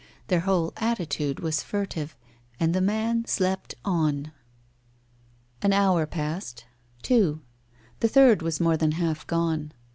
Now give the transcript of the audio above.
Their whole attitude was furtive, and the man slept on. An hour passed two. The third was more than half gone.